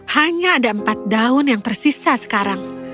hanya ada empat daun yang tersisa sekarang